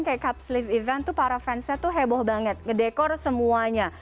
kayak cups lift event tuh para fansnya tuh heboh banget ngedekor semuanya